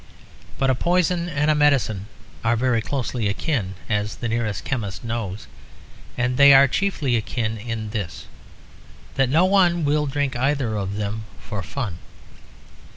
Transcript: But a poison and a medicine are very closely akin, as the nearest chemist knows; and they are chiefly akin in this; that no one will drink either of them for fun.